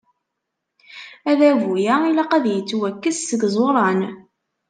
Adabu-a, ilaq ad yettwakkes seg yiẓuran.